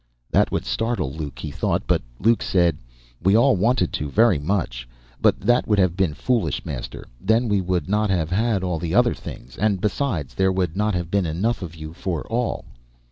That would startle Luke, He thought. But Luke said, "We all wanted to, very much. But that would have been foolish, Master. Then we would not have had all the other things. And besides, there would not have been enough of You for all."